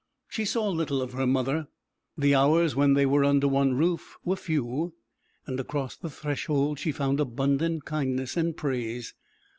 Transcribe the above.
She saw little of her mother. The hours when they were under one roof were few; and across the threshold she found abundant kindness and praise.